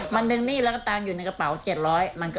มันดึงหนี้แล้วก็ตามอยู่ในกระเป๋า๗๐๐บาท